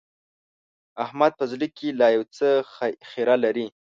احمد په زړه کې لا يو څه خيره لري.